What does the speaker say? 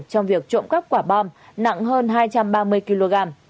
trong việc trộm cắp quả bom nặng hơn hai trăm ba mươi kg